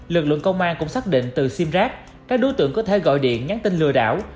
lực lượng công an cũng xác định từ sim rác các đối tượng có thể gọi điện nhắn tin lừa đảo